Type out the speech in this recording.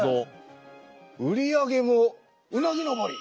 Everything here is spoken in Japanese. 売り上げもうなぎ登り。